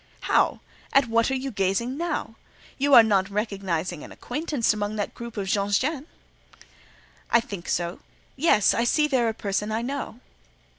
"How! At what are you gazing now? You are not recognising an acquaintance amongst that group of jeunes gens?" "I think so—Yes, I see there a person I know."